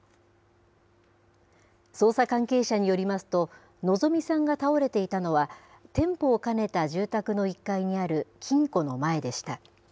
捜査関係者によりますと、希美さんが倒れていたのは、店舗を兼ねた住宅の１階にある金庫の前でした。